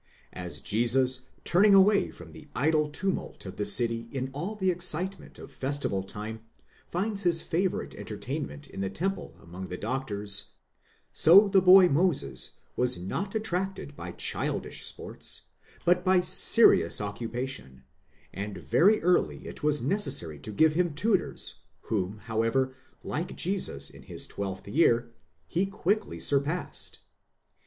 as Jesus, turning away from the idle tumult of the city in all the excitement of festival time, finds his favourite entertainment in the temple among the doctors ; so the boy Moses was not attracted by childish sports, but by serious occupation, and very early it was necessary to give him tutors, whom, how ever, like Jesus in his twelfth year, he quickly surpassed.